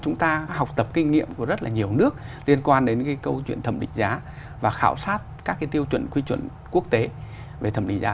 chúng ta học tập kinh nghiệm của rất là nhiều nước liên quan đến cái câu chuyện thẩm định giá và khảo sát các cái tiêu chuẩn quy chuẩn quốc tế về thẩm định giá